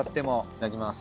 いただきます。